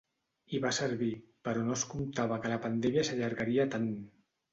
I va servir, però no es comptava que la pandèmia s’allargaria tant.